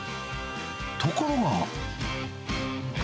ところが。